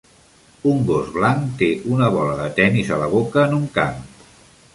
Un gos blanc té una bola de tennis a la boca en un camp.